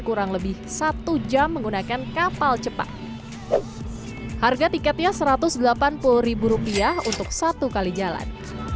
kurang lebih satu jam menggunakan kapal cepat harga tiketnya satu ratus delapan puluh rupiah untuk satu kali jalan